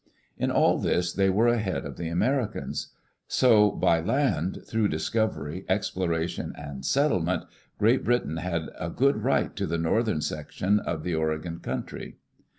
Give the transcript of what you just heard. In all this, they were ahead of the Americans. So, by land, through discovery, exploration, and settlement, Great Britain had a good right to the northern section of the Oregon country.